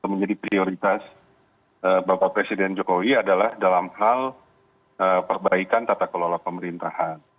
menjadi prioritas bapak presiden jokowi adalah dalam hal perbaikan tata kelola pemerintahan